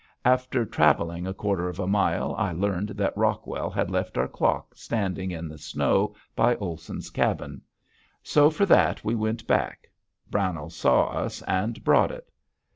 After traveling a quarter of a mile I learned that Rockwell had left our clock standing in the snow by Olson's cabin. So for that we went back. Brownell saw us and brought it.